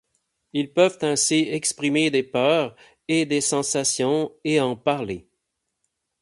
Ils peuvent ainsi expérimenter des peurs et des sensations et en parler.